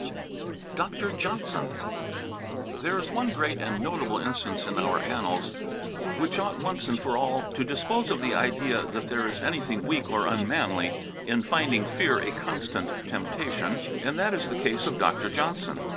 XI DR. JOHNSON There is one great and notable instance in our annals which ought once and for all to dispose of the idea that there is anything weak or unmanly in finding fear a constant temptation, and that is the case of Dr. Johnson.